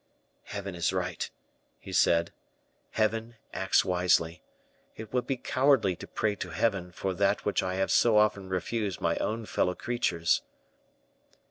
"Heaven is right," he said; "Heaven acts wisely. It would be cowardly to pray to Heaven for that which I have so often refused my own fellow creatures."